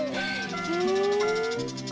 へえ！